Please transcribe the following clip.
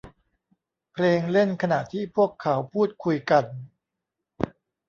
เพลงเล่นขณะที่พวกเขาพูดคุยกัน